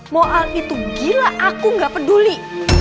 mau al itu gila aku gak peduli